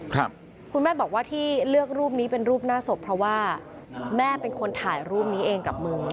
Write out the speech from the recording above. คุณแม่บอกว่าที่เลือกรูปนี้เป็นรูปหน้าศพเพราะว่าแม่เป็นคนถ่ายรูปนี้เองกับมือ